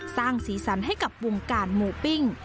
สร้างสีสันให้กับวงการหมูปิ้ง